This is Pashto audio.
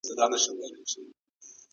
د يهودانو ارقام څه ښيي؟